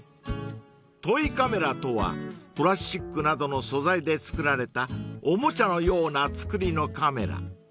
［トイカメラとはプラスチックなどの素材で作られたおもちゃのような作りのカメラ］